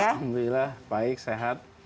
alhamdulillah baik sehat